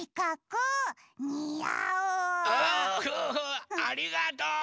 おありがとう！